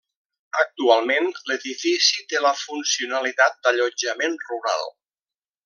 Actualment l'edifici té la funcionalitat d'allotjament rural.